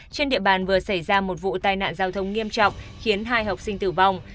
trên địa bàn vừa xảy ra một vụ tai nạn giao thông nghiêm trọng khiến hai học sinh tử vong